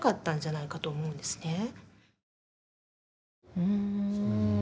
うん。